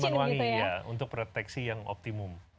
bukan cuma wangi untuk proteksi yang optimum